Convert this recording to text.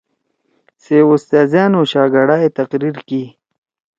سی اُستاذأن او شاگڑأنا ئے تقریر کی